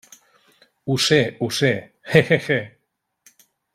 Ho sé, ho sé, he, he, he.